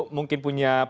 mungkin punya pengetahuan